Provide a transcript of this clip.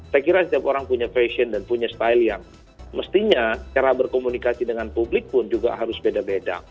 saya kira setiap orang punya fashion dan punya style yang mestinya cara berkomunikasi dengan publik pun juga harus beda beda